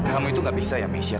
kamu itu gak bisa ya mesya